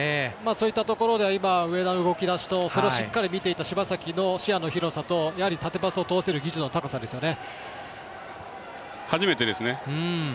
そういったところでは上田の動き出しそれをしっかり見ていた柴崎の視野の広さと縦パスを通せる技術の高さですね。